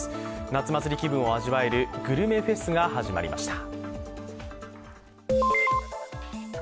夏祭り気分を味わえるグルメフェスが始まりました。